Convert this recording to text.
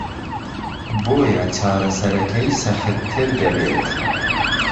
بۆیه چارەسەرەکهی سەختتر دەبێت.